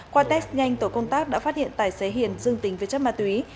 qua test nhanh tổ công tác đã phát hiện tài xế hiền dưng tính với chất ma túy